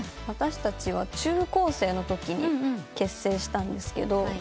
私たちは中高生のときに結成したんですけど。